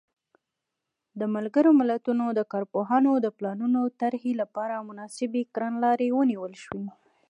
د ملګرو ملتونو د کارپوهانو د پلانونو طرحې لپاره مناسبې کړنلارې ونیول شوې.